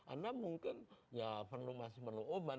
anda mungkin ya perlu masih perlu obat